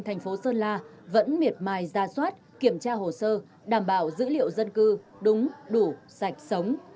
thành phố sơn la vẫn miệt mài ra soát kiểm tra hồ sơ đảm bảo dữ liệu dân cư đúng đủ sạch sống